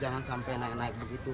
jangan sampai naik naik begitu